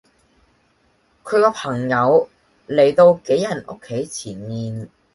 佢個朋友嚟到杞人屋企前面